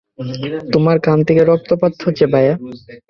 তোমার কান থেকে রক্তপাত হচ্ছে ভায়া।